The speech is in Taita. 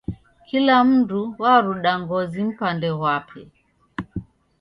Kula mndu waruda ngozi mpande ghwape.